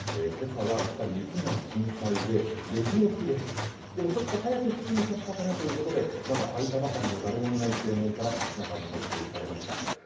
今朝はやっぱり雪が心配で４時起きででもちょっと早く来すぎちゃったかなということでまだ開いたばかりの誰もいない正門から中に入っていかれました。